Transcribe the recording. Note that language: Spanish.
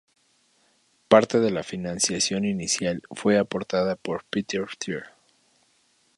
Parte de la financiación inicial fua aportada por Peter Thiel.